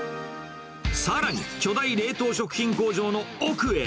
さらに、巨大冷凍食品工場の奥へ。